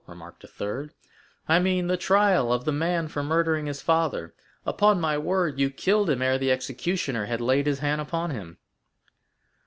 remarked a third; "I mean the trial of the man for murdering his father. Upon my word, you killed him ere the executioner had laid his hand upon him."